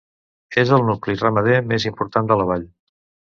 És el nucli ramader més important de la vall.